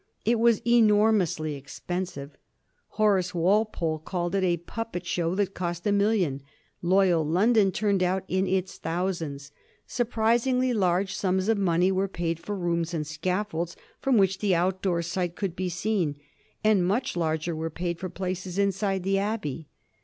It was enormously expensive. Horace Walpole called it a puppet show that cost a million. Loyal London turned out in its thousands. Surprisingly large sums of money were paid for rooms and scaffolds from which the outdoor sight could be seen, and much larger were paid for places inside the Abbey.